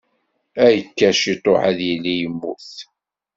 Akka ciṭuḥ, ad yili yemmut.